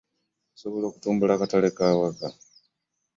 Okusobola okutumbula akatale ak'a waka.